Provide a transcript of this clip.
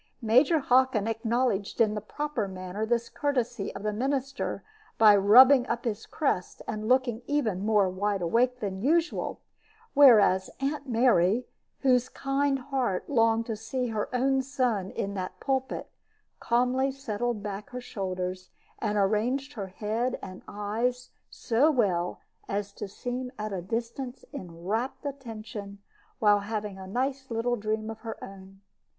Major Hockin acknowledged in a proper manner this courtesy of the minister by rubbing up his crest, and looking even more wide awake than usual; whereas Aunt Mary, whose kind heart longed to see her own son in that pulpit, calmly settled back her shoulders, and arranged her head and eyes so well as to seem at a distance in rapt attention, while having a nice little dream of her own.